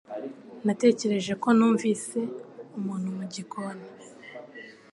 Natekereje ko numvise umuntu mugikoni